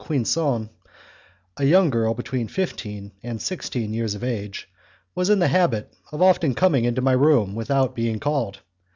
Quinson, a young girl between fifteen and sixteen years of age, was in the habit of often coming to my room without being called.